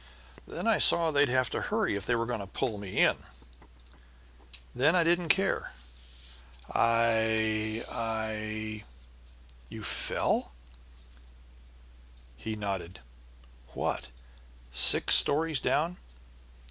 Then I saw they'd have to hurry if they were going to pull me in. Then I didn't care. I I " "You fell?" He nodded. "What, six stories down?"